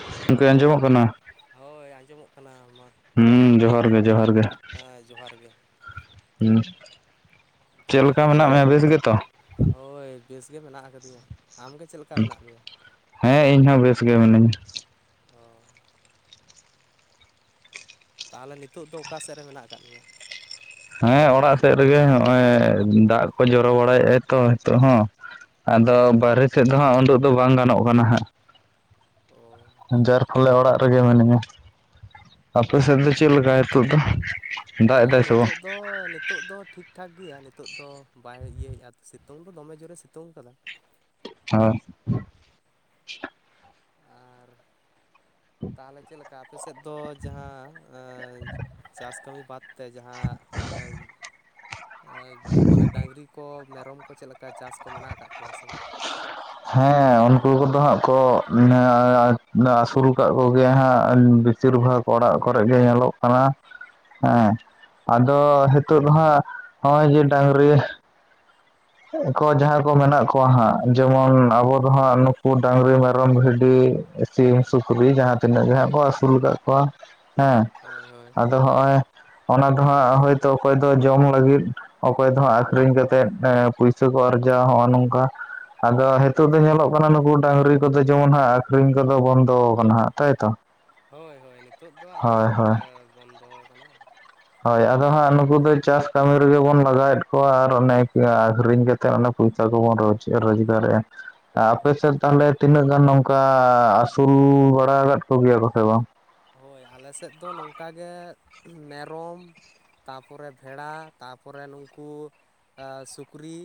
ᱦᱩᱸ ᱜᱚᱝᱠᱮ ᱟᱸᱡᱚᱢᱚᱜ ᱠᱟᱱᱟ᱾ ᱦᱳᱭ ᱟᱸᱡᱚᱢᱚᱜ ᱠᱟᱱᱟ ᱢᱟ ᱦᱩᱸ ᱡᱚᱦᱟᱨ ᱜᱮ ᱡᱚᱦᱟᱨ ᱜᱮ᱾ ᱦᱮᱸ ᱡᱚᱦᱟᱨ ᱜᱮ᱾ ᱦᱩᱸ ᱛᱚ ᱪᱮᱫ ᱞᱮᱠᱟ ᱢᱮᱱᱟᱜ ᱜᱚᱢᱠᱮ ᱢᱮᱭᱟ ᱵᱮᱥ ᱜᱮᱛᱚ ᱦᱳᱭ ᱵᱮᱥ ᱜᱮ ᱢᱮᱱᱟᱜ ᱟᱠᱟᱫᱤᱧᱟ᱾ ᱟᱢᱜᱮ ᱪᱮᱜ ᱞᱮᱠᱟ ᱢᱮᱱᱟᱜ ᱢᱮᱭᱟ? ᱦᱮᱸ ᱤᱧ ᱦᱚᱸ ᱵᱮᱥ ᱜᱮ ᱢᱤᱱᱟᱹᱧᱟ ᱚ, ᱛᱟᱦᱚᱞᱮ ᱱᱤᱛᱚᱜ ᱫᱚ ᱚᱠᱟ ᱥᱮᱫ ᱨᱮ ᱢᱮᱱᱟᱜ ᱟᱠᱟᱫ ᱢᱮᱭᱟ? ᱦᱮᱸ ᱚᱲᱟᱜ ᱥᱮᱫ ᱨᱮᱜᱮ ᱦᱚᱜᱼᱚᱭ ᱫᱟᱜ ᱠᱚ ᱡᱚᱨᱚ ᱵᱟᱲᱟᱭᱮᱭᱼᱟᱭ ᱛᱚ ᱦᱤᱛᱚᱜ ᱦᱚᱸ᱾ ᱟᱫᱚ ᱚ ᱵᱟᱨᱦᱮ ᱥᱮᱫ ᱫᱚ ᱦᱟᱸᱜ ᱩᱰᱩᱜ ᱫᱚ ᱵᱟᱝ ᱜᱟᱱᱚᱜ ᱠᱟᱱᱟ ᱦᱟᱸᱜ᱾ ᱚ ᱡᱟᱨ ᱯᱷᱚᱞᱮ ᱚᱲᱟᱜ ᱨᱮᱜᱮ ᱢᱤᱱᱟᱹᱧᱟ᱾ ᱚ ᱟᱯᱮ ᱥᱮᱫ ᱫᱚ ᱪᱮᱫ ᱞᱮᱠᱟ ᱱᱤᱛᱚᱜ ᱫᱚ ᱫᱟᱜ ᱮᱫᱟᱭ ᱥᱮ ᱵᱟᱝ? ᱛᱚ ᱱᱤᱛᱳᱜ ᱫᱚ ᱴᱷᱤᱠ ᱴᱷᱟᱠ ᱜᱮᱭᱟ ᱱᱤᱛᱳᱜ ᱫᱚ ᱵᱟᱭ ᱤᱭᱟᱹᱭᱮᱫᱼᱟ ᱥᱤᱛᱩᱝ ᱫᱚ ᱫᱚᱢᱮ ᱡᱳᱨᱮ ᱥᱤᱛᱩᱝ ᱟᱠᱟᱫᱟ᱾ [inaudible] ᱟᱨ ᱛᱟᱦᱚᱞᱮ ᱪᱮᱞᱮᱠ ᱠᱟ ᱟᱯᱮ ᱥᱮᱫ ᱫᱚ ᱡᱟᱦᱟᱸ ᱪᱟᱥ ᱠᱟᱹᱢᱤ ᱵᱟᱫ ᱛᱮ ᱡᱟᱦᱟᱸ [inaudible] ᱢᱟᱱᱮ ᱰᱟᱝᱨᱤ ᱠᱚ ᱢᱮᱨᱚᱢ ᱠᱚ ᱪᱮᱫ ᱞᱮᱠᱟ ᱪᱟᱥ ᱠᱚ ᱢᱮᱱᱟᱜ ᱟᱠᱟᱫ ᱠᱚᱣᱟ ᱥᱮ ᱵᱟᱝ? ᱦᱮᱸ ᱩᱱᱠᱩ ᱠᱚᱫᱚ ᱦᱟᱸᱜ ᱠᱚ ᱟᱹᱥᱩᱞ ᱟᱠᱟᱫ ᱠᱚᱜᱮᱭᱟ ᱦᱟᱸᱜ ᱵᱮᱥᱤᱨ ᱵᱷᱟᱜᱽ ᱚᱲᱟᱜ ᱠᱚᱨᱮ ᱜᱮ ᱧᱮᱞᱚᱜ ᱠᱟᱱᱟ ᱦᱮᱸ ᱟᱫᱚ ᱦᱤᱛᱚᱜ ᱫᱚ ᱦᱟᱸᱜ ᱾ ᱱᱚᱜᱼᱚᱭ ᱡᱮ ᱰᱟᱝᱨᱤ ᱠᱚ ᱡᱟᱦᱟᱸᱭ ᱠᱚ ᱢᱮᱱᱟᱜ ᱠᱚᱣᱟ ᱦᱟᱸᱜ, ᱡᱮᱢᱚᱱ ᱟᱵᱚ ᱫᱚ ᱦᱟᱸᱜ ᱱᱩᱠᱩ ᱰᱟᱝᱨᱤ, ᱢᱮᱨᱚᱢ, ᱵᱷᱤᱰᱤ, ᱥᱤᱢ, ᱥᱩᱠᱨᱤ ᱡᱟᱦᱟᱸ ᱛᱤᱱᱟᱹᱜ ᱜᱮᱜ ᱠᱚ ᱟᱹᱥᱩᱞ ᱟᱠᱟᱫ ᱠᱚᱣᱟ ᱦᱮᱸ ᱾ ᱦᱳᱭ ᱦᱳᱭ, ᱟᱫᱚ ᱦᱚᱜᱼᱚᱭ ᱚᱱᱟ ᱫᱚᱦᱟᱸᱜ ᱦᱳᱭᱛᱚ ᱚᱠᱚᱭ ᱫᱚ ᱡᱚᱢ ᱞᱟᱹᱜᱤᱫ, ᱚᱠᱚᱭ ᱫᱚᱦᱟᱸᱜ ᱟᱠᱷᱨᱤᱧ ᱠᱟᱛᱮᱜ ᱯᱩᱭᱥᱟᱹ ᱠᱚ ᱟᱨᱡᱟᱣᱟᱼᱟ ᱱᱚᱜᱼᱚᱭ ᱱᱚᱝᱠᱟ ᱾ ᱟᱫᱚ ᱱᱤᱛᱚᱜ ᱫᱚ ᱧᱮᱞᱚᱜ ᱠᱟᱱᱟ ᱱᱩᱠᱩ ᱰᱟᱹᱝᱨᱤ ᱠᱚᱫᱚ ᱡᱮᱢᱚᱱ ᱦᱟᱸᱜ ᱟᱠᱷᱨᱤᱧ ᱠᱚᱫᱚ ᱵᱚᱱᱫᱚ ᱟᱠᱟᱱᱟ ᱦᱟᱸᱜ ᱛᱟᱭᱛᱚ ᱾ ᱦᱳᱭ ᱦᱳᱭ ᱱᱤᱛᱚᱜ ᱫᱚ ᱟᱫᱚ ᱦᱳᱭ ᱵᱚᱱᱫᱚ ᱠᱟᱱᱟ ᱾ ᱦᱳᱭ ᱟᱫᱚ ᱦᱟᱸᱜ ᱱᱩᱠᱩ ᱫᱚ ᱪᱟᱥ ᱠᱟᱹᱢᱤ ᱨᱮᱜᱮ ᱵᱚᱱ ᱞᱟᱜᱟᱣᱮᱫ ᱠᱚᱣᱟ ᱟᱨ ᱚᱱᱮ ᱟᱹᱠᱷᱨᱤᱧ ᱠᱟᱛᱮ ᱯᱚᱭᱥᱟ ᱠᱚᱵᱚᱱ ᱨᱚᱡᱽ ᱨᱳᱡᱽᱜᱟᱨᱮᱜᱼᱟ ᱾ ᱟᱯ ᱦᱳᱭ ᱥᱮᱫ ᱛᱟᱦᱚᱞᱮ ᱛᱤᱱᱟᱹᱜ ᱜᱟᱱ ᱱᱚᱝᱠᱟ ᱥᱩᱨᱩ ᱵᱟᱲᱟ ᱟᱠᱟᱫ ᱠᱚᱜᱮᱭᱟ ᱠᱚ ᱥᱮ ᱵᱟᱝ? ᱦᱳᱭ ᱟᱞᱮ ᱥᱮᱫ ᱫᱚ ᱱᱚᱝᱠᱟᱜ ᱜᱮ ᱢᱮᱨᱚᱢ ᱛᱟᱯᱚᱨᱮ ᱵᱷᱮᱲᱟ ᱛᱟᱯᱚᱨᱮ ᱱᱩᱝᱠᱩ ᱥᱩᱠᱨᱤ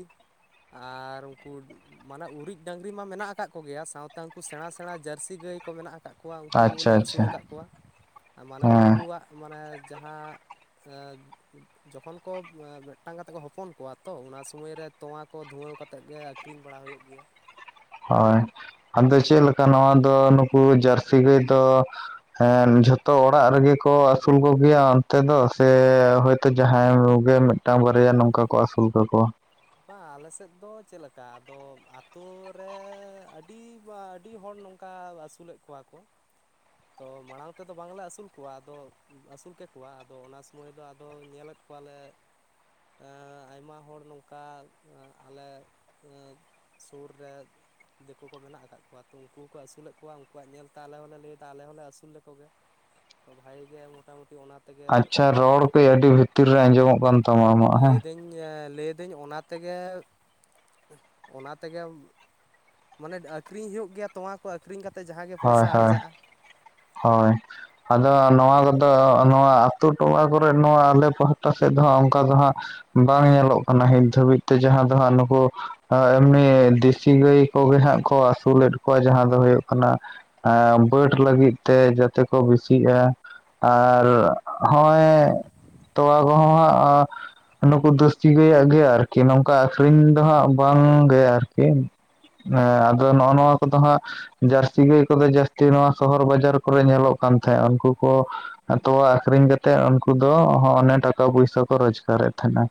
ᱟᱨ ᱩᱱᱠᱩ ᱢᱟᱱᱮ ᱩᱨᱤᱡ ᱰᱟᱝᱨᱤ ᱢᱟ ᱢᱮᱱᱟᱜ ᱟᱠᱟᱫ ᱠᱚᱜᱮᱭᱟ, ᱥᱟᱶᱛᱮ ᱩᱱᱠᱩ ᱥᱮᱬᱟ ᱥᱮᱬᱟ ᱡᱟᱹᱨᱥᱤ ᱜᱟᱹᱭ ᱠᱚ ᱢᱮᱱᱟᱜ ᱟᱠᱟᱫ ᱠᱚᱣᱟ ᱩᱱᱠᱩ ᱟᱪᱪᱷᱟ ᱞᱮ ᱟᱪᱪᱷᱟ ᱟᱹᱥᱩᱩᱞ ᱟᱠᱟᱫ ᱠᱚᱣᱟ ᱾ ᱢᱟᱱᱮ ᱦᱮᱸ ᱩᱱᱠᱩᱣᱟᱜ ᱢᱟᱱᱮ ᱡᱟᱦᱟᱸ [inaudible] ᱡᱚᱠᱷᱚᱱ ᱠᱚ ᱢᱤᱫᱴᱟᱝ ᱠᱟᱛᱮᱜ ᱠᱚ ᱦᱚᱯᱚᱱ ᱠᱚᱣᱟ ᱛᱚ ᱚᱱᱟ ᱥᱩᱢᱟᱹᱭᱨᱮ ᱛᱚᱣᱟ ᱠᱚ ᱫᱷᱩᱣᱟᱹᱣ ᱠᱟᱛᱮ ᱠᱟᱛᱮᱫ ᱜᱮ ᱟᱹᱷᱨᱤᱧ ᱵᱟᱲᱟ ᱦᱩᱭᱩᱜ ᱜᱮᱭᱟ ᱾ ᱦᱳᱭ ᱟᱫᱚ ᱪᱮᱫ ᱞᱮᱠᱟ ᱱᱚᱣᱟ ᱫᱚ ᱱᱩᱠᱩ ᱡᱟᱹᱨᱥᱤ ᱜᱟᱹᱭ ᱫᱚ ᱦᱮᱸ ᱡᱷᱚᱛᱚ ᱚᱲᱟᱜ ᱨᱮᱜᱮ ᱠᱚ ᱟᱹᱥᱩᱞ ᱠᱚᱜᱮᱭᱟ ᱚᱱᱛᱮ ᱫᱚ ᱥᱮ? ᱦᱳᱭᱛᱳ ᱡᱟᱦᱟᱸᱭ ᱠᱚᱜᱮ ᱢᱤᱫᱴᱟᱝ ᱵᱟᱨᱭᱟ ᱱᱚᱝᱠᱟ ᱠᱚ ᱟᱹᱥᱩᱞ ᱠᱟᱠᱚᱣᱟ ᱾ ᱵᱟᱝ ᱟᱞᱮ ᱥᱮᱫ ᱫᱚ ᱪᱮᱫ ᱞᱮᱠᱟ ᱟᱫᱚ ᱟᱛᱳ ᱨᱮ ᱟᱹᱰᱤ ᱟᱹᱰᱤ ᱦᱚᱲ ᱱᱚᱝᱠᱟ ᱠᱟ ᱟᱹᱥᱩᱞᱮᱫ ᱠᱚᱣᱟ ᱠᱚ ᱾ ᱛᱚ ᱢᱟᱲᱟᱝ ᱛᱮᱫᱚ ᱵᱟᱝᱞᱮ ᱟᱹᱥᱩᱞ ᱠᱚᱣᱟ, ᱟᱫᱚ ᱟᱹᱥᱩᱞ ᱠᱮᱠᱚᱣᱟ ᱟᱫᱚ ᱚᱱᱟ ᱥᱚᱢᱚᱭ ᱫᱚ ᱟᱫᱚ ᱧᱮᱞᱮᱫ ᱾ ᱠᱚᱣᱟᱞᱮ [inaudible] ᱟᱭᱢᱟ ᱦᱚᱲ ᱱᱚᱝᱠᱟ ᱟᱞᱮ ᱥᱩᱨ ᱨᱮ ᱫᱤᱠᱩ ᱠᱚ ᱢᱮᱱᱟᱜ ᱟᱠᱟᱫ ᱠᱚᱣᱟ ᱛᱚ ᱩᱱᱠᱩ ᱠᱚᱠᱚ ᱟᱹᱥᱩᱞᱮᱫ ᱠᱚᱣᱟ, ᱩᱱᱠᱩᱣᱟᱜ ᱧᱮᱞᱛᱮ ᱟᱞᱮ ᱦᱚᱸᱞᱮ ᱞᱟᱹᱭ ᱮᱫ ᱟᱞᱮ ᱦᱚᱸᱞᱮ ᱟᱹᱥᱩᱞ ᱞᱮᱠᱚᱜᱮ ᱛᱚ ᱵᱷᱟᱜᱤ ᱜᱮ ᱢᱚᱴᱟᱢᱩᱴᱤ ᱚᱱᱟᱛ ᱟᱪᱪᱷᱟ ᱨᱚᱲ ᱠᱟᱹᱡ ᱟᱹᱰᱤ ᱵᱷᱤᱛᱤᱨ ᱨᱮ ᱟᱸᱡᱚᱢᱚᱜ ᱠᱟᱱ ᱛᱟᱢᱟ ᱟᱢᱟᱜ ᱦᱮᱸ᱾ ᱞᱟᱹᱭᱫᱟᱹᱧ ᱞᱟᱹᱭᱫᱟᱹᱧ ᱚᱱᱟ ᱛᱮᱜᱮ ᱚᱱᱟ ᱛᱮᱜᱮᱢ ᱢᱟᱱᱮ ᱟᱠᱷᱨᱤᱧ ᱦᱩᱭᱩᱜ ᱜᱮᱭᱟ ᱛᱚᱣᱟ ᱠᱚ ᱟᱹᱷᱨᱤᱧ ᱠᱟᱛᱮ ᱡᱟᱦᱟᱸ ᱜᱮ ᱦᱳᱭ ᱯᱚᱭᱥᱟ ᱦᱳᱭ ᱟᱨᱡᱟᱜᱼᱟ᱾ ᱦᱳᱭ ᱟᱫᱚ ᱱᱚᱣᱟ ᱠᱚᱫᱚ ᱱᱚᱣᱟ ᱟᱛᱩ ᱴᱚᱞᱟ ᱠᱚᱨᱮᱜ ᱱᱚᱣᱟ ᱟᱞᱮ ᱯᱟᱦᱴᱟ ᱥᱮᱫ ᱫᱚ ᱚᱱᱠᱟ ᱫᱚ ᱦᱟᱸᱜ ᱵᱟᱝ ᱧᱮᱞᱚᱜ ᱠᱟᱱᱟ ᱦᱤᱡ ᱫᱷᱟᱹᱵᱤᱡ ᱛᱮ ᱡᱟᱦᱟᱸ ᱫᱚ ᱦᱟᱸᱜ ᱱᱩᱠᱩ ᱮᱢᱱᱤ ᱫᱮᱥᱤ ᱜᱟᱹᱭ ᱠᱚᱜᱮ ᱦᱟᱸᱜ ᱠᱚ ᱟᱹᱥᱩᱞᱮᱫ ᱠᱚᱣᱟ ᱡᱟᱦᱟᱸ ᱫᱚ ᱦᱩᱭᱩᱜ ᱠᱟᱱᱟ ᱵᱟᱹᱰ ᱞᱟᱹᱜᱤᱫ ᱛᱮ ᱡᱟᱛᱮ ᱠᱚ ᱵᱮᱥᱤᱜᱼᱟ ᱟᱨ ᱦᱚᱸᱭ ᱛᱚᱣᱟ ᱠᱚᱦᱚᱸ ᱦᱟᱸᱜ ᱱᱩᱠᱩ ᱫᱟᱹᱥᱛᱤ ᱜᱟᱹᱭᱟᱜ ᱟᱨᱠᱤ ᱱᱚᱝᱠᱟ ᱟᱠᱷᱨᱤᱧ ᱫᱚ ᱦᱟᱸᱜ ᱵᱟᱝᱜᱮ ᱟᱨᱠᱤ᱾ ᱮᱸ ᱟᱫᱚ ᱱᱚᱜᱼᱚ ᱱᱚᱣᱟ ᱠᱚᱫᱚ ᱦᱟᱸᱜ ᱡᱟᱹᱨᱥᱤ ᱜᱟᱹᱭ ᱠᱚᱫᱚ ᱡᱟᱹᱥᱛᱤ ᱱᱚᱣᱟ ᱥᱚᱦᱚᱨ ᱵᱟᱡᱟᱨ ᱠᱚᱨᱮ ᱧᱮᱞᱚᱜ ᱠᱟᱱ ᱛᱟᱦᱮᱸᱫ ᱩᱱᱠᱩ ᱠᱚ ᱛᱚᱣᱟ ᱟᱠᱷᱨᱤᱧ ᱠᱟᱛᱮᱜ ᱩᱱᱠᱩ ᱫᱚ ᱚᱱᱮ ᱴᱟᱠᱟ ᱯᱚᱭᱥᱟ ᱠᱚ ᱨᱚᱡᱜᱟᱨᱮᱫ ᱛᱟᱦᱮᱸᱱᱟ᱾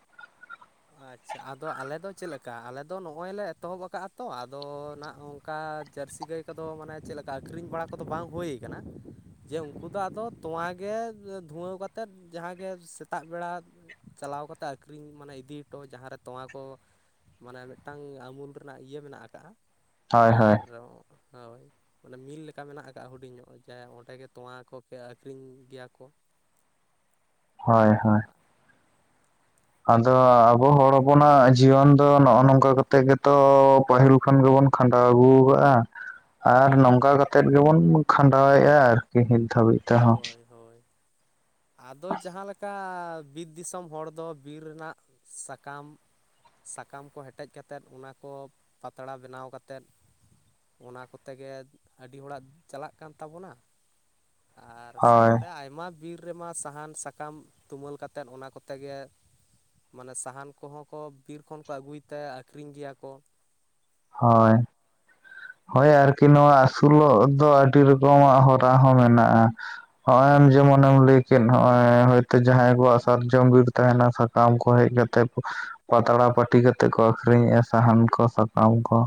ᱟᱪᱪᱷᱟ ᱟᱫᱚ ᱟᱞᱮᱫᱚ ᱪᱮᱫᱞᱮᱠᱟ ᱟᱞᱮᱫᱚ ᱱᱚᱜᱼᱚᱭ ᱞᱮ ᱮᱛᱚᱦᱚᱵ ᱟᱠᱟᱜᱼᱟ ᱛᱚ ᱟᱫᱚ ᱱᱟᱜ ᱩᱝᱴ ᱠᱟ ᱡᱟᱹᱨᱥᱤ ᱜᱟᱹᱭ ᱠᱚᱫᱚ ᱢᱟᱱᱮ ᱪᱮᱫ ᱞᱮᱠᱟ ᱟᱹᱠᱷᱨᱤᱧ ᱵᱟᱲᱟ ᱠᱚᱫᱚ ᱵᱟᱝ ᱦᱩᱭ ᱠᱟᱱᱟ᱾ ᱡᱮ ᱩᱱᱠᱩ ᱫᱚ ᱟᱫᱚ ᱛᱳᱣᱟᱜᱮ ᱫᱷᱩᱣᱟᱹᱣ ᱠᱟᱛᱮᱫ ᱡᱟᱦᱟᱸᱜᱮ ᱥᱮᱛᱟᱜ ᱵᱮᱲᱟ ᱪᱟᱞᱟᱣ ᱠᱟᱛᱮ ᱟᱠᱷᱨᱤᱧ ᱢᱟᱱᱮ ᱤᱫᱤ ᱴᱚ ᱡᱟᱦᱟᱸ ᱨᱮ ᱛᱚᱣᱟᱸ ᱠᱚ ᱢᱟᱱᱮ ᱢᱤᱫᱴᱟᱝ ᱟᱢᱩᱞ ᱨᱮᱱᱟᱜ ᱤᱭᱟᱹ ᱢᱮᱱᱟᱜ ᱠᱟᱜᱼᱟ ᱦᱳᱭ ᱦᱳᱭ ᱟᱨ ᱦᱳᱭ ᱚᱱᱮ ᱢᱤᱞ ᱞᱮᱠᱟ ᱢᱮᱱᱟᱜ ᱠᱟᱜᱼᱟ ᱦᱩᱰᱤᱧ ᱧᱚᱜ ᱡᱟᱦᱟᱸ ᱚᱸᱰᱮ ᱜᱮ ᱛᱚᱣᱟ ᱠᱚᱯᱮ ᱟᱹᱠᱷᱨᱤᱧ ᱜᱮᱭᱟ ᱠᱚ ᱦᱳᱭ ᱦᱳᱭ ᱟᱫᱚ ᱟᱵᱚ ᱦᱚᱲ ᱦᱚᱯᱚᱱᱟᱜ ᱡᱤᱭᱚᱱ ᱫᱚ ᱱᱚᱜᱼᱚ ᱱᱚᱝᱠᱟ ᱠᱟᱛᱮᱜ ᱜᱮᱛᱚ ᱯᱟᱹᱦᱤᱞ ᱠᱷᱚᱱ ᱜᱮᱵᱚᱱ ᱠᱷᱟᱸᱰᱟᱣ ᱟᱹᱜᱩ ᱠᱟᱜᱼᱟ ᱟᱨ ᱦᱳᱭ ᱱᱚᱝᱠᱟ ᱠᱟᱛᱮ ᱜᱮᱵᱚᱱ ᱠᱷᱟᱸᱰᱟᱣᱮᱼᱟ ᱟᱨᱠᱤ ᱱᱤᱛ ᱫᱷᱟᱹᱵᱤᱡ ᱛᱮᱦᱚᱸ ᱦᱳᱭ ᱦᱳᱭ ᱟᱫᱚ ᱡᱟᱦᱟᱸ ᱞᱮᱠ ᱟ ᱵᱤᱨ ᱫᱤᱥᱚᱢ ᱦᱚᱲ ᱫᱚ ᱵᱤᱨ ᱨᱮᱱᱟᱜ ᱥᱟᱠᱟᱢ ᱥᱟᱠᱟᱢ ᱠᱚ ᱦᱮᱴᱮᱡ ᱠᱟᱛᱮᱫ ᱚᱱᱟ ᱠᱚ ᱯᱟᱛᱲᱟ ᱵᱮᱱᱟᱣ ᱠᱟᱛᱮᱫ ᱚᱱᱟ ᱠᱚᱛᱮ ᱜᱮ ᱟᱹᱰᱤ ᱦᱚᱲᱟᱜ ᱪᱟᱞᱟᱜ ᱠᱟᱱ ᱛᱟᱵᱚᱱᱟ ᱟᱨ ᱦᱳᱭ ᱥᱟᱶᱛᱮ ᱟᱭᱢᱟ ᱵᱤᱨ ᱨᱮᱢᱟ ᱥᱟᱦᱟᱱ ᱥᱟᱠᱟᱢ ᱛᱩᱢᱟᱹᱞ ᱠᱟᱛᱮᱫ ᱚᱱᱟ ᱠᱚᱛᱮ ᱜᱮ ᱢᱟᱱᱮ ᱥᱟᱦᱟᱱ ᱠᱚᱦᱚᱸ ᱠᱚ ᱵᱤᱨ ᱠᱷᱚᱱ ᱠᱚ ᱟᱹᱜᱩᱭ ᱛᱮ ᱟᱠᱷᱨᱤᱧ ᱜᱮᱭᱟ ᱠᱚ ᱦᱳᱭ ᱦᱳᱭ ᱟᱨᱠᱤ ᱱᱚᱣᱟ ᱟᱹᱥᱩᱞᱚᱜ ᱫᱚ ᱟᱹᱰᱤ ᱨᱚᱠᱚᱢᱟᱜ ᱦᱚᱨᱟ ᱦᱚᱸ ᱢᱮᱱᱟᱜᱼᱟ᱾ ᱦᱚᱸᱚᱭ ᱟᱢ ᱡᱮᱢᱚ ᱱᱮᱢ ᱞᱟᱹᱭ ᱠᱮᱫ ᱱᱚᱜᱚᱭ ᱦᱚᱭᱛᱳ ᱡᱟᱦᱟᱸᱭ ᱠᱚᱣᱟᱜ ᱥᱟᱨᱡᱚᱢ ᱵᱤᱨ ᱛᱟᱦᱮᱱᱟ ᱥᱟᱠᱟᱢ ᱠᱚ ᱦᱮᱡ ᱠᱟᱛᱮ ᱯᱟᱛᱲᱟ ᱯᱟᱹᱴᱤ ᱠᱟᱛᱮᱜ ᱠᱚ ᱟᱠᱷᱨᱤᱧᱮᱜᱼᱟ ᱥᱟᱦᱟᱱ ᱠᱚ ᱥᱟᱠᱟᱢ ᱠᱚ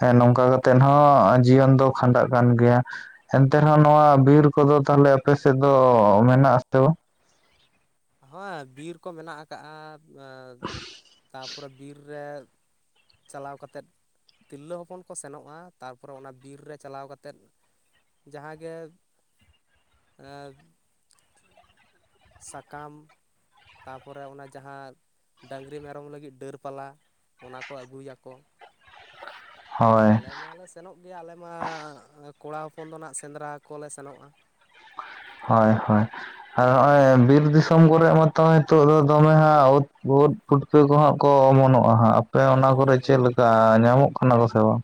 ᱦᱮᱸ ᱱᱚᱝᱠᱟ ᱠᱟᱛ ᱛᱮᱦᱚᱸ ᱡᱤᱭᱚᱱ ᱫᱚ ᱠᱷᱟᱸᱰᱟᱜ ᱠᱟᱱ ᱜᱮᱭᱟ ᱮᱱᱛᱮ ᱨᱮᱦᱚᱸ ᱱᱚᱣᱟ ᱵᱤᱨ ᱠᱚᱫᱚ ᱛᱟᱦᱚᱞᱮ ᱟᱯᱮᱥᱮᱫ ᱫᱚ ᱢᱮᱱᱟᱜ ᱟᱥᱮ ᱵᱟ? ᱦᱳᱭ ᱵᱤᱨ ᱠᱚ ᱢᱮᱱᱟᱜᱟ ᱠᱟᱜᱼᱟ ᱛᱟᱯᱚᱨᱮ ᱵᱤᱨ ᱨᱮ ᱪᱟᱞᱟᱣ ᱠᱟᱛᱮᱫ ᱛᱤᱨᱞᱟᱹ ᱦᱚᱯᱚᱱ ᱠᱚ ᱥᱮᱱᱚᱜᱼᱟ ᱛᱟᱨᱯᱚᱨᱮ ᱚᱱᱟ ᱵᱤᱨ ᱨᱮ ᱪᱟᱞᱟᱣ ᱠᱟᱛᱮᱫ ᱡᱟᱦᱟᱸ ᱜᱮ ᱮ ᱥᱟᱠᱟᱢ ᱛᱟᱯᱚᱨᱮ ᱚᱱᱟ ᱡᱟᱦᱟᱸ ᱰᱟᱝᱨᱤ ᱢᱮᱨᱚᱢ ᱞᱟᱹᱜᱤᱫ ᱰᱟᱹᱨ ᱯᱟᱞᱟ ᱚᱱᱟ ᱠᱚ ᱟᱹᱜᱩᱭᱟᱠᱚ᱾ ᱟᱨ ᱦᱳᱭ ᱟᱞᱮ ᱢᱟᱞᱮ ᱥᱮᱱᱚᱜ ᱜᱮᱭᱟ ᱟᱞᱮᱢᱟ ᱠᱚᱲᱟ ᱦᱚᱯᱚᱱ ᱫᱚ ᱱᱟᱦᱟᱜ ᱥᱮᱸᱫᱽᱨᱟ ᱠᱚᱞᱮ ᱥᱮᱱᱚᱜᱼᱟ᱾ ᱦᱳᱭ ᱦᱳᱭ ᱟᱨ ᱱᱚᱜᱼᱚᱭ ᱵᱤᱨ ᱫᱤᱥᱚᱢ ᱠᱚᱨᱮ ᱢᱟᱛᱚ ᱱᱤᱛᱚᱜ ᱫᱚ ᱫᱚᱢᱮ ᱦᱟᱸᱜ ᱩᱫ ᱩᱫ ᱯᱩᱴᱠᱟᱹ ᱠᱚ ᱦᱟᱸᱜ ᱠᱚ ᱚᱢᱚᱱᱚᱜᱼᱟ ᱦᱟᱸᱜ ᱟᱯᱮ ᱚᱱᱟ ᱠᱚᱨᱮ ᱦᱳᱭ ᱪᱮᱫ ᱦᱳᱭ ᱞᱮᱠᱟ ᱧᱟᱢᱚᱜ ᱠᱟᱱᱟ ᱠᱚ ᱥᱮ ᱵᱟᱝ?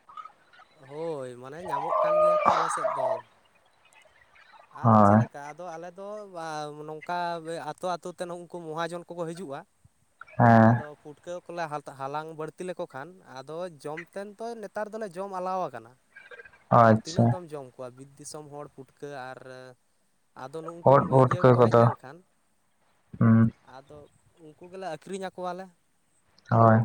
ᱦᱳᱭ ᱢᱟᱱᱮ ᱧᱟᱢᱚᱜ ᱠᱟᱱ ᱜᱮᱭᱟ ᱠᱚ ᱟᱞᱮ ᱥᱮᱫ ᱫᱚ ᱟᱫᱚ ᱪᱮᱫ ᱦᱳᱭ ᱞᱮᱠᱟ ᱟᱫᱚ ᱟᱞᱮ ᱫᱚ ᱱᱚᱝᱠᱟ ᱟᱛᱳ ᱟᱛᱳ ᱛᱮ ᱩᱱᱠᱩ ᱢᱚᱦᱟᱡᱚᱱ ᱠᱚᱠᱚ ᱦᱤᱡᱩᱜᱼᱟ᱾ ᱦᱮᱸ ᱟᱫᱚ ᱯᱩᱴᱠᱟᱹ ᱠᱚᱞᱮ ᱦᱟᱞᱟᱝ ᱵᱟᱹᱲᱛᱤ ᱞᱮᱠᱚ ᱠᱷᱟᱱ ᱟᱫᱚ ᱡᱚᱢ ᱛᱮᱱ ᱛᱚ ᱱᱮᱛᱟᱨ ᱫᱚᱞᱮ ᱡᱚᱢ ᱟᱞᱟᱣ ᱠᱟᱱᱟ᱾ [inaudible] ᱟᱨ ᱛᱤᱱᱟᱹᱜ ᱫᱚᱢ ᱡᱚᱢ ᱠᱚᱣᱟ ᱵᱤᱫ ᱫᱤᱥᱚᱢ ᱦᱚᱲ ᱯᱩᱴᱠᱟᱹ ᱟᱨ ᱟᱫᱚ ᱱᱩᱝᱠᱩ ᱳᱫ ᱤᱭᱟᱹ ᱯᱩᱴᱠᱟᱹ ᱠᱚ ᱦᱮᱡ ᱠᱚᱫᱚ ᱞᱮᱱᱠᱷᱟᱱ ᱦᱩᱸ ᱟᱫᱚ ᱩᱱᱠᱩ ᱜᱮᱞᱮ ᱟᱹᱠᱷᱨᱤᱧ ᱟᱠᱚᱣᱟᱞᱮ ᱦᱳᱭ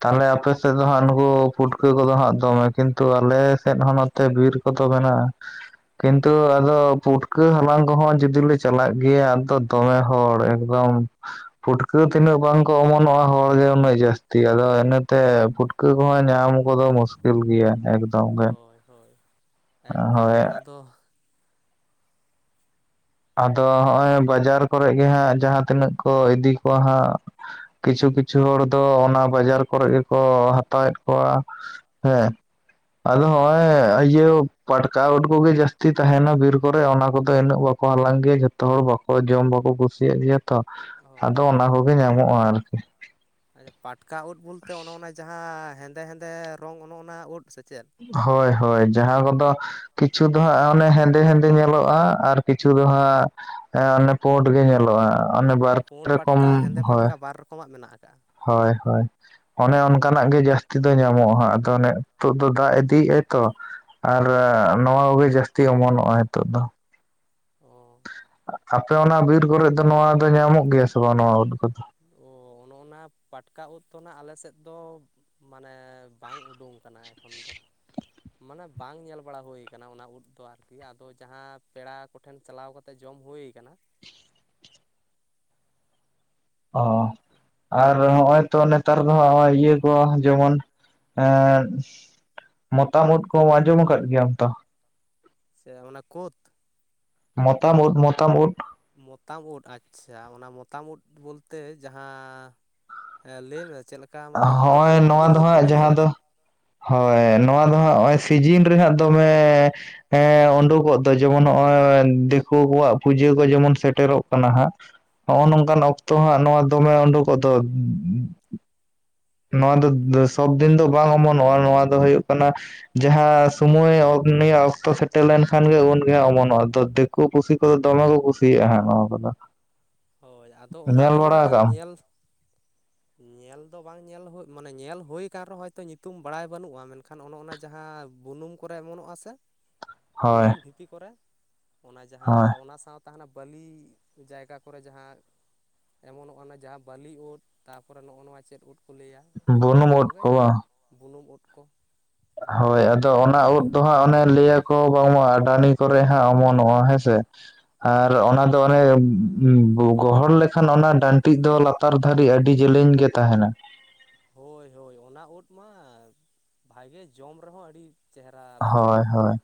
ᱛᱟᱦᱚᱞᱮ ᱟᱯᱮ ᱥᱮᱫ ᱫᱚ ᱦᱟᱸᱜ ᱱᱩᱠᱩ ᱯᱷᱩᱴᱠᱟᱹ ᱠᱚᱫᱚ ᱦᱟᱸᱜ ᱫᱚᱢᱮ ᱠᱤᱱᱛᱩ ᱟᱞᱮ ᱥᱮᱫ ᱦᱚᱸ ᱱᱚᱛᱮ ᱵᱤᱨ ᱠᱚᱫᱚ ᱢᱮᱱᱟᱜᱼᱟ ᱠᱤᱱᱛᱩ ᱟᱫᱚ ᱯᱩᱴᱠᱟᱹ ᱦᱟᱞᱟᱝ ᱠᱚᱦᱚᱸ ᱡᱩᱫᱤ ᱞᱮ ᱪᱟᱞᱟᱜ ᱜᱮᱭᱟ ᱟᱫᱚ ᱫᱚᱢᱮ ᱦᱚᱲ ᱮᱠᱫᱚᱢ ᱯᱷᱩᱴᱠᱟᱹ ᱛᱤᱱᱟᱹᱜ ᱵᱟᱝᱠᱚ ᱚᱢᱚᱱᱚᱜᱼᱟ ᱦᱚᱲ ᱜᱮ ᱩᱱᱟᱹᱜ ᱡᱟᱹᱥᱛᱤ ᱛᱤ ᱟᱫᱚ ᱤᱱᱟᱹᱛᱮ ᱯᱷᱩᱴᱠᱟᱹ ᱠᱚᱦᱚᱸ ᱧᱟᱢ ᱠᱚᱫᱚ ᱢᱩᱥᱠᱤᱞ ᱜᱮᱭᱟ ᱮᱠᱫᱚᱢ ᱜᱮ ᱦᱳᱭ ᱦᱳᱭ ᱮᱠᱫᱚᱢ ᱦᱳᱭ ᱚᱱᱟ ᱫᱚ ᱟᱫᱚ ᱦᱚᱜᱼᱚᱭ ᱵᱟᱡᱟᱨ ᱠᱚᱨᱮ ᱜᱮ ᱦᱟᱸᱜ ᱡᱟᱦᱟᱸ ᱛᱤᱱᱟᱹᱜ ᱠᱚ ᱤᱫᱤ ᱠᱚᱣᱟ ᱦᱟᱸᱜ ᱠᱤᱪᱷᱩ ᱠᱤᱪᱷᱩ ᱦᱚᱲ ᱫᱚ ᱚᱱᱟ ᱵᱟᱡᱟᱨ ᱠᱚᱨᱮᱜ ᱜᱮᱠᱚ ᱦᱟᱛᱟᱣᱮᱫ ᱠᱚᱣᱟ᱾ ᱦᱮᱸ ᱟᱫᱚ ᱦᱚᱸᱜᱼᱚᱭ ᱤᱭᱟᱹ ᱯᱟᱴᱠᱟ ᱩᱰᱠᱩ ᱜᱤ ᱡᱟᱹᱥᱛᱤ ᱛᱟᱦᱮᱱᱟ ᱵᱤᱨ ᱠᱚᱨᱮ ᱚᱱᱟ ᱠᱚᱫᱮ ᱤᱱᱟᱹᱜ ᱵᱟᱯ ᱠᱚ ᱦᱟᱞᱟᱝ ᱜᱮᱭᱟ ᱡᱚᱛᱚ ᱦᱚᱲ ᱵᱟᱠᱚ ᱡᱚᱢ ᱵᱟᱠᱚ ᱠᱩᱥᱤᱭᱟᱜ ᱜᱮᱭᱟ ᱛᱚ ᱦᱳᱭ ᱟᱫᱚ ᱚᱱᱟ ᱜᱤ ᱧᱟᱢᱚᱜᱼᱟ ᱟᱨᱠᱤ᱾ ᱯᱟᱴᱠᱟ ᱩᱫ ᱵᱩᱞᱛᱮ ᱚᱱᱚ ᱚᱱᱟ ᱡᱟᱦᱟᱸ ᱦᱮᱸᱫᱮ ᱦᱮᱸᱫᱮ ᱨᱚᱝ ᱚᱱᱚ ᱚᱱᱟ ᱩᱫ ᱥᱮᱪᱮᱫ? ᱦᱚᱭ ᱦᱚᱭ ᱡᱟᱦᱟᱸ ᱠᱚᱫᱚ ᱠᱤᱪᱷᱩ ᱫᱚ ᱦᱟᱸᱜ ᱚᱱᱮ ᱦᱮᱸᱫᱮ ᱦᱮᱸᱫᱮ ᱧᱮᱞᱚᱜ ᱵᱟᱜ ᱟᱨ ᱠᱤᱪᱷᱩ ᱫᱚ ᱦᱟᱸᱜ ᱮᱸ ᱚᱱᱮ ᱯᱳᱴ ᱜᱤ ᱧᱮᱞᱚᱜᱼᱟ᱾ ᱚᱱᱮ ᱦᱳᱭ ᱵᱟᱨ ᱯᱮ ᱯᱩᱸᱰ ᱨᱚᱠᱚᱢ ᱯᱟᱴᱠᱟ ᱦᱮᱸᱫᱮ ᱯᱟᱴᱠᱟ ᱵᱟᱨ ᱨᱚᱠᱚᱢᱟᱜ ᱢᱮᱱᱟᱜ ᱟᱠᱟᱜᱼᱟ᱾ ᱦᱚᱭ ᱦᱚᱭ ᱚᱱᱮ ᱚᱱᱠᱟᱱᱟᱜ ᱜᱤ ᱡᱟᱹᱥᱛᱤ ᱫᱚ ᱧᱟᱢᱚᱜᱼᱟ ᱦᱟᱸᱜ ᱟᱫᱚ ᱚᱱᱮ ᱛᱩᱜ ᱫᱚ ᱫᱟᱜ ᱤᱫᱤᱭᱮᱜᱼᱟᱭ ᱛᱚ ᱟᱨ ᱱᱚᱣᱟ ᱠᱚᱜᱤ ᱡᱟᱹᱥᱛᱤ ᱚᱢᱚᱱᱚᱜᱼᱟ ᱱᱤᱛᱚᱜ ᱫᱚ᱾ ᱚ ᱟᱯᱮ ᱚᱱᱟ ᱵᱤᱨ ᱠᱚᱨᱮᱜ ᱫᱚ ᱱᱚᱣᱟ ᱫᱚ ᱧᱟᱢᱚᱜ ᱜᱮᱭᱟ ᱥᱮ ᱵᱟᱝ ᱱᱚᱣᱟ ᱩᱫ ᱠᱚᱫᱚ᱾ ᱚ ᱚᱱᱼᱚᱱᱟ ᱯᱟᱴᱠᱟ ᱩᱫ ᱫᱚ ᱱᱟᱜ ᱟᱞᱮ ᱥᱮᱫ ᱫᱚ ᱢᱟᱱᱮ ᱵᱟᱝ ᱩᱰᱩᱝ ᱠᱟᱱᱟ ᱮᱠᱷᱚᱱ ᱫᱚ᱾ ᱢᱟᱱᱮ ᱵᱟᱝ ᱧᱮᱞ ᱵᱟᱲᱟ ᱦᱩᱭ ᱠᱟᱱᱟ ᱚᱱᱟ ᱩᱫ ᱫᱚ ᱟᱨᱠᱤ ᱟᱫᱚ ᱡᱟᱦᱟᱸ ᱯᱮᱲᱟ ᱴᱷᱮᱱ ᱪᱟᱞᱟᱣ ᱠᱟᱛᱮ ᱡᱚᱢ ᱦᱩᱭ ᱟᱠᱟᱱᱟ᱾ ᱚᱻ ᱟᱨᱠᱤ ᱟᱨ ᱦᱚᱸᱜᱼᱚᱭ ᱛᱚ ᱱᱮᱛᱟᱨ ᱫᱚ ᱦᱟᱸᱜ ᱤᱭᱟᱹ ᱠᱚ ᱡᱮᱢᱚᱱ ᱮᱸ ᱢᱚᱛᱟᱢ ᱩᱫ ᱠᱚᱢ ᱟᱸᱡᱚᱢ ᱟᱠᱟᱫ ᱜᱮᱭᱟᱢ ᱛᱚ? ᱥᱮ ᱚᱱᱟ ᱠᱳᱫᱽ᱾ ᱢᱚᱛᱟᱢ ᱩᱫ ᱢᱚᱛᱟᱢ ᱩᱫ ᱢᱚᱛᱟᱢ ᱩᱫ ᱟᱪᱪᱷᱟ ᱚᱱᱟ ᱢᱚᱛᱟᱢ ᱩᱫ ᱵᱚᱞᱛᱮ ᱡᱟᱦᱟᱸ ᱦᱮᱸ ᱞᱟᱹᱭ ᱢᱮ ᱪᱮᱫ ᱞᱮᱠᱟ ᱢᱟᱱᱮ ᱤᱧ ᱛᱚᱱᱟᱜ ᱦᱚᱸᱜᱼᱚᱭ ᱱᱚᱣᱟ ᱵᱩᱞᱩᱝ ᱫᱚ ᱩᱫ ᱦᱟᱸᱜ ᱠᱚᱜᱤᱧ ᱧᱮᱞ ᱡᱟᱦᱟᱸ ᱫᱚ ᱟᱠᱟᱜᱼᱟ᱾ ᱦᱳᱭ ᱱᱚᱣᱟ ᱫᱚ ᱦᱟᱸᱜ ᱦᱚᱸᱜᱼᱚᱭ ᱥᱤᱡᱤᱱ ᱨᱮ ᱦᱟᱸᱜ ᱫᱚᱢᱮ ᱮᱸ ᱩᱸᱰᱩᱠᱚᱜ ᱫᱚ ᱡᱮᱢᱚᱱ ᱦᱚᱜᱼᱚᱭ ᱫᱤᱠᱩ ᱠᱚᱣᱟᱜ ᱯᱩᱡᱟᱹ ᱠᱚ ᱡᱮᱢᱚᱱ ᱥᱮᱴᱮᱨᱚᱜ ᱠᱟᱱᱟ ᱦᱟᱸᱜ ᱦᱚᱸᱜᱼᱚ ᱦᱳᱭ ᱱᱚᱝᱠᱟᱱ ᱦᱳᱭ ᱚᱠᱛᱚ ᱦᱟᱸᱜ ᱱᱚᱣᱟ ᱫᱚᱢᱮ ᱩᱸᱰᱩᱠᱚᱜ ᱫᱚ [inaudible] ᱱᱚᱣᱟ ᱫᱚ ᱥᱚᱵᱫᱤᱱ ᱫᱚ ᱵᱟᱝ ᱚᱢᱚᱱᱚᱜᱼᱟ ᱱᱚᱣᱟ ᱫᱚ ᱦᱩᱭᱩᱜ ᱠᱟᱱᱟ ᱡᱟᱦᱟᱸ ᱥᱚᱢᱚᱭ ᱩᱱᱤᱭᱟᱹ ᱚᱠᱛᱚ ᱥᱮᱴᱮᱨ ᱞᱮᱱᱠᱷᱟᱱ ᱜᱮ ᱩᱱᱜᱮ ᱦᱟᱸᱜ ᱚᱢᱚᱱᱚᱜᱼᱟ [unintelligible] ᱠᱩ ᱯᱩᱥᱤ ᱠᱚᱫᱚ ᱫᱚᱢᱮ ᱠᱚ ᱠᱩᱥᱤᱭᱟᱜᱼᱟ ᱦᱟᱸᱜ ᱱᱚᱣᱟ ᱠᱚᱫᱚ᱾ ᱦᱳᱭ ᱟᱫᱚ ᱚᱱᱟ ᱧᱮᱞ ᱫᱚ ᱵᱟᱲᱟ ᱠᱟᱜ ᱱᱟᱸᱜ ᱟᱢ ᱧᱮᱞ ᱧᱮᱞ ᱫᱚ ᱵᱟᱝ ᱧᱮᱞ ᱦᱩᱜ ᱢᱟᱱᱮ ᱧᱮᱞ ᱦᱩᱭ ᱠᱟᱱ ᱨᱮᱦᱚᱸ ᱦᱚᱭᱛᱚ ᱧᱩᱛᱩᱢ ᱵᱟᱲᱟᱭ ᱵᱟᱹᱱᱩᱜᱼᱟ ᱢᱮᱱᱠᱷᱟᱱ ᱚᱱᱮ ᱚᱱᱟ ᱡᱟᱦᱟᱸ ᱵᱩᱱᱩᱢ ᱠᱚᱨᱮ ᱚᱢᱚᱱᱚᱜᱼᱟ ᱥᱮ? ᱦᱳᱭ ᱵᱩᱱᱩᱢ ᱰᱷᱤᱯᱤ ᱠᱚᱨᱮ ᱚᱱᱟ ᱡᱟᱦᱟᱸ ᱦᱳᱭ ᱟᱨ ᱚᱱᱟ ᱥᱟᱶ ᱛᱟᱦᱮᱱᱟ ᱵᱟᱹᱞᱤ ᱡᱟᱭᱜᱟ ᱠᱚᱨᱮ ᱡᱟᱦᱟᱸ ᱚᱢᱚᱱᱚᱜᱼᱟ ᱚᱱᱟ ᱡᱟᱦᱟᱸ ᱵᱟᱹᱞᱤ ᱩᱫ ᱛᱟᱯᱚᱨᱮ ᱱᱚᱜᱼᱚ ᱱᱚᱣᱟ ᱪᱮᱫ ᱩᱫ ᱠᱚ ᱞᱟᱹᱭᱟ ᱵᱩᱱᱩᱢ ᱚᱱᱟ ᱩᱫ ᱠᱚᱜᱮ ᱠᱚ ᱵᱟᱝ ᱵᱩᱱᱩᱢ ᱩᱫ ᱠᱚ ᱦᱳᱭ ᱟᱫᱚ ᱚᱱᱟ ᱩᱫ ᱫᱚ ᱦᱟᱸᱜ ᱚᱱᱮ ᱞᱟᱹᱭᱟᱠᱚ ᱵᱟᱝᱢᱟ ᱟᱰᱟᱱᱤ ᱠᱚᱨᱮᱜ ᱦᱟᱸᱜ ᱚᱢᱚᱱᱚᱜᱼᱟ ᱦᱚᱭ ᱥᱮ? ᱟᱨ ᱦᱳᱭ ᱚᱱᱟ ᱫᱚ [unintelligible] ᱜᱚᱦᱚᱲ ᱞᱮᱠᱷᱟᱱ ᱚᱱᱟ ᱰᱟᱹᱱᱴᱤᱜ ᱫᱚ ᱞᱟᱛᱟᱨ ᱫᱷᱟᱹᱨᱤᱡ ᱟᱹᱰᱤ ᱡᱮᱞᱮᱧ ᱜᱮ ᱛᱟᱦᱮᱱᱟ᱾ ᱦᱳᱭ ᱦᱳᱭ ᱚᱱᱟ ᱩᱫ ᱢᱟ ᱵᱷᱟᱜᱮ ᱡᱚᱢ ᱨᱮᱦᱚᱸ ᱟᱹᱰᱤ ᱪᱮᱦᱨᱟ ᱵᱩᱡᱷᱟᱹᱜᱼᱟ᱾ ᱦᱳᱸ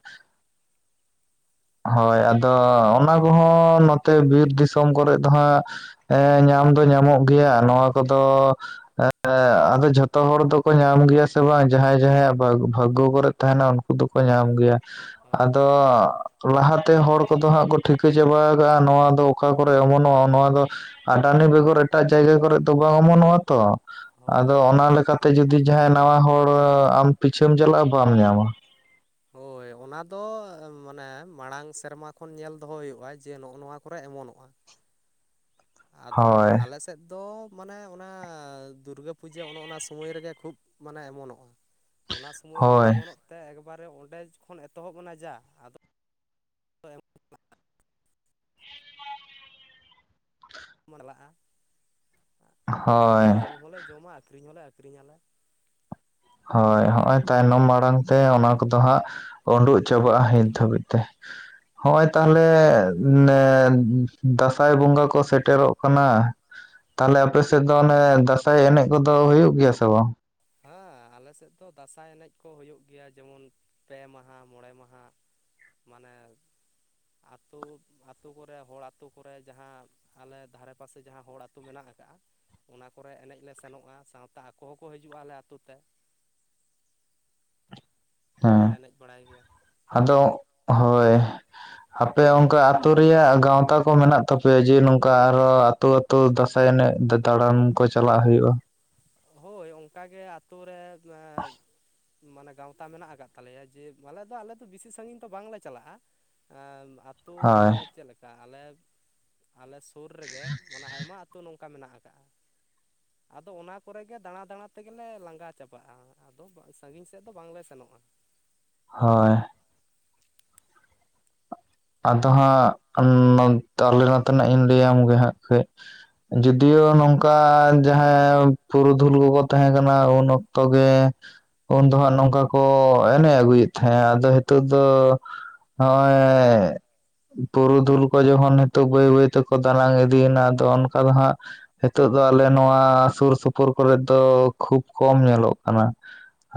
ᱦᱳᱭ ᱟᱫᱚ ᱚᱱᱟ ᱠᱚᱦᱚᱸ ᱱᱚᱛᱮ ᱵᱤᱨ ᱫᱤᱥᱚᱢ ᱠᱚᱨᱮᱜ ᱫᱚ ᱦᱟᱸᱜ ᱮᱸ ᱧᱟᱢ ᱫᱚ ᱧᱟᱢᱚᱜ ᱜᱮᱭᱟ ᱱᱚᱣᱟ ᱠᱚᱫᱚ [unintelligible] ᱟᱫᱚ ᱡᱷᱚᱛᱚ ᱦᱚᱲ ᱫᱚᱠᱚ ᱧᱟᱢ ᱜᱮᱭᱟ ᱥᱮ ᱵᱟᱝ ᱡᱟᱦᱟᱸᱭ ᱡᱟᱦᱟᱸᱭᱟᱜ ᱵᱟᱼᱵᱷᱟᱜᱽᱜᱚ ᱠᱚᱨᱮᱫ ᱛᱟᱦᱮᱱᱟ ᱩᱱᱠᱩ ᱫᱚᱠᱚ ᱧᱟᱢ ᱜᱮᱭᱟ ᱦᱳᱭ ᱟᱫᱚ ᱛᱚ ᱞᱟᱦᱟ ᱛᱮ ᱦᱚᱲ ᱠᱚᱫᱚ ᱦᱟᱸᱜ ᱠᱚ ᱴᱷᱤᱠᱟᱹ ᱪᱟᱵᱟ ᱟᱠᱟᱜᱼᱟ ᱱᱚᱣᱟ ᱫᱚ ᱚᱠᱟ ᱠᱚᱨᱮ ᱚᱢᱚᱱᱚᱜᱼᱟ ᱱᱚᱣᱟ ᱫᱚ ᱟᱰᱟᱱᱤ ᱵᱮᱜᱚᱨ ᱮᱴᱟᱜ ᱡᱟᱭᱜᱟ ᱠᱚᱨᱮᱫ ᱫᱚ ᱵᱟᱝ ᱚᱢᱚᱱᱚᱜᱼᱟ ᱛᱚ ᱟᱫᱚ ᱦᱳᱭ ᱚᱱᱟ ᱞᱮᱠᱟᱛᱮ ᱡᱩᱫᱤ ᱡᱟᱦᱟᱸᱭ ᱱᱟᱶᱟ ᱦᱚᱲ ᱟᱢ ᱯᱤᱪᱷᱟᱹᱢ ᱪᱟᱞᱟᱜᱼᱟ ᱵᱟᱢ ᱧᱟᱢᱟ᱾ ᱦᱳᱭ [inaudible] ᱚᱱᱟ ᱫᱚ ᱢᱟᱱᱮ ᱢᱟᱲᱟᱝ ᱥᱮᱨᱢᱟ ᱠᱷᱚᱱ ᱧᱮᱞ ᱫᱚᱦᱚ ᱦᱩᱭᱩᱜᱼᱟ ᱡᱮ ᱱᱚᱜᱼᱚ ᱱᱚᱣᱟ ᱠᱚᱨᱮ ᱟᱭᱢᱚᱱᱚᱜᱼᱟ ᱟᱫᱚ ᱦᱳᱭ ᱟᱞᱮ ᱥᱮᱫ ᱫᱚ ᱢᱟᱱᱮ ᱚᱱᱟ ᱫᱩᱨᱜᱟᱹ ᱯᱩᱡᱟᱹ ᱚᱱᱮ ᱚᱱᱟ ᱥᱚᱢᱚᱭ ᱨᱮᱜᱮ ᱠᱷᱩᱵᱽ ᱢᱟᱱᱮ ᱚᱢᱚᱱᱚᱜᱼᱟ ᱾ ᱚᱱᱟ ᱥᱚᱢᱚᱭ ᱠᱷᱚᱱ ᱦᱳᱭ ᱚᱢᱚᱱᱚᱜ ᱛᱮ ᱮᱠᱵᱟᱨᱮ ᱚᱸᱰᱮ ᱠᱷᱚᱱ ᱮᱛᱚᱦᱚᱵ ᱮᱱᱟ ᱡᱟ ᱟᱫᱚ ᱢᱟᱰᱞᱟᱜᱼᱟ ᱦᱳᱭ ᱛᱟᱯᱚᱨᱮ ᱡᱚᱢ ᱦᱚᱸᱞᱮ ᱡᱚᱢᱟ ᱟᱹᱠᱷᱨᱤᱧ ᱦᱚᱸᱞᱮ ᱟᱹᱠᱷᱨᱤᱧᱟ ᱞᱮ ᱾ ᱦᱳᱭ ᱦᱚᱸᱜᱼᱚᱭ ᱛᱟᱭᱱᱚᱢ ᱢᱟᱲᱟᱝ ᱛᱮ ᱚᱱᱟ ᱠᱚᱫᱚ ᱦᱟᱸᱜ, ᱩᱸᱰᱩᱩᱜ ᱪᱟᱵᱟᱜᱼᱟ ᱱᱤᱛ ᱫᱷᱟᱹᱵᱤᱡ ᱛᱮ ᱦᱚᱜᱼᱚᱭ ᱛᱟᱦᱞᱮ ᱦᱳᱭ [inaudible] ᱫᱟᱸᱥᱟᱭ ᱵᱚᱸᱜᱟ ᱠᱚ ᱥᱮᱴᱮᱨᱚᱜ ᱠᱟᱱᱟ ᱾ ᱛᱟᱦᱞᱮ ᱟᱯᱮ ᱥᱮᱫ ᱫᱚ ᱚᱱᱮ ᱫᱟᱸᱥᱟᱭ ᱮᱱᱮᱡ ᱠᱚᱫᱚ ᱦᱩᱭᱩᱜ ᱜᱮᱭᱟ ᱥᱮ ᱵᱟᱝ? ᱦᱮᱸ ᱟᱞᱮ ᱥᱮᱫ ᱫᱚ ᱫᱟᱸᱥᱟᱭ ᱮᱱᱮᱡ ᱠᱚ ᱦᱩᱭᱩᱜ ᱜᱮᱭᱟ ᱡᱮᱢᱚᱱ ᱯᱮ ᱢᱟᱦᱟ, ᱢᱚᱬᱮ ᱢᱟᱦᱟ, ᱢᱟᱱᱮ ᱟᱹᱛᱩ ᱟᱹᱛᱩ ᱠᱚᱨᱮ ᱦᱚᱲ ᱟᱹᱛᱩ ᱠᱚᱨᱮ ᱡᱟᱦᱟᱸ ᱟᱞᱮ ᱫᱷᱟᱨᱮ ᱯᱟᱥᱮ ᱡᱟᱦᱟᱸ ᱦᱚᱲ ᱟᱹᱛᱩ ᱢᱮᱱᱟᱜ ᱟᱠᱟᱜᱼᱟ ᱚᱱᱟ ᱠᱚᱨᱮ ᱮᱱᱮᱡ ᱞᱮ ᱥᱮᱱᱚᱜᱼᱟ ᱥᱟᱶᱛᱟ ᱟᱠᱚ ᱦᱚᱸᱠᱚ ᱦᱟᱹᱡᱩᱜᱼᱟ ᱟᱞᱮ ᱟᱹᱛᱩ ᱛᱮ᱾ [inaudible] ᱠᱟᱞᱮ ᱮᱱᱮᱡ ᱵᱟᱲᱟᱭ ᱜᱮᱭᱟ ᱾ ᱟᱫᱚᱜ ᱦᱳᱭ ᱦᱟᱯᱮ ᱚᱸᱠᱟ ᱟᱹᱛᱩ ᱨᱮᱭᱟᱜ ᱜᱟᱶᱛᱟ ᱠᱚ ᱢᱮᱱᱟᱜ ᱛᱟᱯᱮᱭᱟ ᱡᱮ ᱱᱚᱝᱠᱟ ᱟᱨᱦᱚ ᱟᱹᱛᱩ ᱟᱹᱛ- ᱛᱩ ᱫᱟᱸᱟᱭ ᱮᱱᱮᱡ ᱫᱟ ᱫᱟᱬᱟᱱ ᱠᱚ ᱪᱟᱞᱟᱜ ᱦᱩᱭᱩᱜᱼᱟ ᱾ ᱦᱳᱭ ᱚᱸᱠᱟ ᱜᱮ ᱟᱹᱛᱩ ᱨᱮᱱ ᱮᱸ ᱢᱟᱱᱮ ᱜᱟᱶᱛᱟ ᱢᱮᱱᱟᱜ ᱟᱠᱟᱫ ᱛᱟᱞᱮᱭᱟ ᱡᱮ ᱢᱟ ᱟᱞᱮ ᱫᱚ ᱟᱞᱮ ᱫᱚ ᱵᱮᱥᱤ ᱥᱟᱺᱜᱤᱧ ᱫᱚ ᱵᱟᱝ ᱞᱮ ᱪᱟᱞᱟᱜᱼᱟ ᱾ ᱟᱸᱢ ᱟᱯ ᱛᱩᱵᱽ ᱦᱳᱭ ᱪᱮᱫ ᱞᱮᱠᱟ ᱟᱞᱮ ᱟᱞᱮ ᱥᱩᱨ ᱨᱮᱜᱮ ᱢᱟᱱᱮ ᱟᱭᱢᱟ ᱟᱹᱛᱩ ᱱᱚᱝ- ᱠᱟ ᱢᱮᱱᱟᱜ ᱟᱠᱟᱜᱼᱟ, ᱟᱫᱚ ᱚᱱᱟ ᱠᱚᱨᱮ ᱜᱮ ᱫᱟᱬᱟ ᱫᱟᱬᱟ ᱛᱮᱜᱮ ᱞᱮ ᱞᱟᱸᱜᱟ ᱪᱟᱵᱟᱜᱼᱟ ᱟᱫᱚ ᱵᱟ ᱥᱟᱺᱜᱤᱧ ᱥᱮᱫ ᱫᱚ ᱵᱟᱝ ᱞᱮ ᱥᱮᱱᱚᱜᱼᱟ ᱾ ᱦᱳᱭ᱾ ᱟᱫᱚ ᱦᱟᱸᱜ ᱱᱚᱻᱛ ᱟᱞᱮ ᱱᱚᱛᱮ ᱱᱟᱜ ᱤᱧ ᱞᱟᱹᱭ ᱟᱢ ᱜᱮ ᱦᱟᱸᱜ ᱠᱟᱹᱡ, ᱡᱚᱫᱤᱭᱳ ᱱᱚᱝᱠᱟ ᱡᱟᱦᱟᱸᱭ ᱯᱩᱨᱩᱫᱷᱩᱞ ᱠᱚᱠᱚ ᱛᱟᱦᱮᱸ ᱠᱟᱱᱟ ᱩᱱ ᱚᱠᱛᱚ ᱜᱮ ᱩᱱ ᱫᱚ ᱦᱟᱸᱜ ᱱᱚᱝᱠᱟ ᱠᱚ ᱮᱱᱮᱜ ᱟᱹᱜᱩᱭᱮᱫ ᱛᱟᱦᱮᱸᱼᱟ, ᱟᱫᱚ ᱦᱤᱛᱚᱜ ᱫᱚ ᱦᱚᱸᱜᱼᱚᱭ ᱯᱩᱨᱩᱫᱷᱩᱞ ᱠᱚ ᱡᱚᱠᱷᱚᱱ ᱱᱤᱛᱚᱜ ᱵᱟᱹᱭ- ᱵᱟᱹᱭ ᱛᱮᱠᱚ ᱫᱟᱱᱟᱝ ᱤᱫᱤᱭᱮᱱᱟ, ᱟᱫᱚ ᱚᱱᱠᱟ ᱫᱚ ᱦᱟᱸᱜ ᱦᱮᱛᱚᱜ ᱫᱚ ᱟᱞᱮ ᱱᱚᱣᱟ ᱥᱩᱨ ᱥᱩᱯᱩᱨ ᱠᱚᱨᱮ ᱫᱚ ᱠᱷᱩᱵ ᱠᱚᱢ ᱧᱮᱞᱚᱜ ᱠᱟᱱᱟ᱾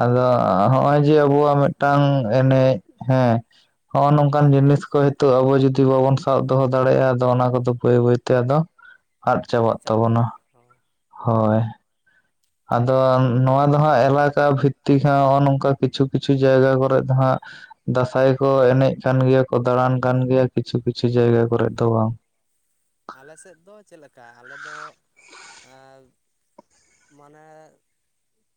ᱟᱫᱚ ᱚᱸ ᱦᱚᱸᱜᱼᱚᱭ ᱡᱮ ᱟᱵᱚᱣᱟᱜ ᱢᱮᱫᱴᱟᱝ ᱮᱱᱮᱡ ᱦᱮᱸ, ᱦᱚᱸᱜᱼᱚ ᱱᱚᱝᱠᱟᱱ ᱦᱳᱭ ᱦᱳᱭ ᱡᱤᱱᱤᱥ ᱠᱚ ᱦᱤᱛᱚᱜ ᱟᱵᱚ ᱡᱩᱫᱤ ᱵᱟᱵᱚᱱ ᱥᱟᱵ ᱫᱚᱦᱚ ᱫᱟᱲᱮᱭᱟᱜᱼᱟ, ᱟᱫᱚ ᱚᱱᱟ ᱠᱚᱫᱚ ᱵᱟᱹᱭ ᱵᱟᱹᱭ ᱛᱮ ᱟᱫᱚ ᱟᱫ ᱢᱟᱱᱮ ᱪᱟᱵᱟᱜ ᱛᱟᱵᱚᱱᱟ ᱪᱟᱵᱟᱜᱼᱟ ᱦᱳᱭ ᱦᱳᱭ ᱾ ᱟᱫᱚ ᱱᱚᱣᱟ ᱫᱚ ᱦᱟᱸᱜ ᱮᱞᱟᱠᱟ ᱵᱷᱤᱛᱼᱛᱤ ᱠᱚᱦᱚᱸ ᱱᱚᱜᱼᱚ ᱱᱚᱝᱠᱟ ᱠᱤᱪᱷᱩ ᱠᱤᱪᱷᱩ ᱡᱟᱭᱜᱟ ᱠᱚᱨᱮᱫ ᱫᱚ ᱦᱟᱸᱜ, ᱫᱟᱸᱥᱟᱭ ᱠᱚ ᱮᱱᱮᱡ ᱠᱟᱱ ᱜᱮᱭᱟ ᱠᱚ ᱫᱟᱬᱟᱱ ᱠᱟᱱ ᱜᱮᱭᱟ ᱠᱤᱪᱷᱩ-ᱠᱤᱪᱷᱩ ᱡᱟᱭᱜᱟ ᱠᱚᱨᱮᱫ ᱫᱚ ᱵᱟᱝ ᱾ ᱟᱞᱮ ᱥᱮᱫ ᱫᱚ ᱪᱮᱫ ᱞᱮᱠᱟ ᱟᱞᱮ ᱫᱚ ᱮᱸ ᱢᱟᱱᱮᱻ,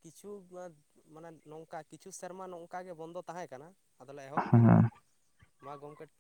ᱠᱤᱪᱷᱩᱻᱜᱽ ᱮᱸ ᱢᱟᱱᱮ ᱱᱚᱝᱠᱟ ᱠᱤᱪᱷᱩ ᱥᱮᱨᱢᱟ ᱱᱚᱝᱠᱟ ᱜᱮ ᱵᱚᱱᱫᱚ ᱛᱟᱦᱮᱸ ᱠᱟᱱᱟ, ᱟᱫᱚ ᱞᱮ ᱮᱦᱚᱵ ᱦᱮᱸ ᱟᱠᱟᱱᱟ, ᱢᱟ ᱜᱚᱝᱠᱮᱴ